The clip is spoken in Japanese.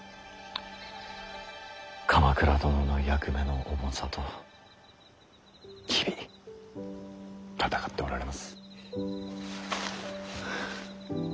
鎌倉殿の役目の重さと日々闘っておられます。